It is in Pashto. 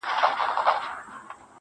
څه لېونۍ شاني گناه مي په سجده کي وکړه